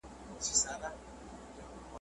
اوس به ضرور د قربانۍ د چړې سیوری وینو ,